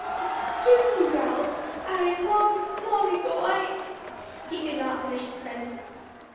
"Forgive you, Ralph! Ay long, long ago I " He could not finish the sentence.